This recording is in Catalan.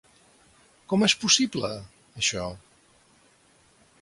Com és possible, això?